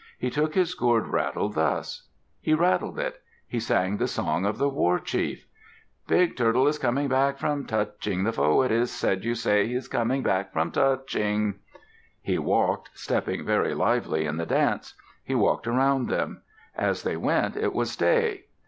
He took his gourd rattle thus. He rattled it. He sang the song of the war chief: "Big Turtle is coming back from touching the foe, it is said, you say. He is coming back from touching." He walked, stepping very lively in the dance. He walked around them. As they went, it was day.